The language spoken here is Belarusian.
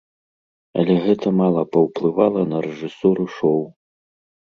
Але гэта мала паўплывала на рэжысуру шоу.